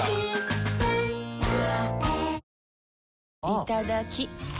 いただきっ！